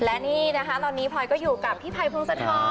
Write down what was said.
และนี่นะคะตอนนี้พลอยก็อยู่กับพี่ภัยพงศธร